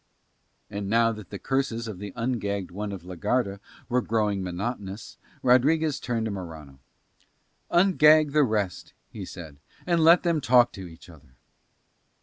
And now that the curses of the ungagged one of la Garda were growing monotonous, Rodriguez turned to Morano. "Ungag the rest," he said, "and let them talk to each other."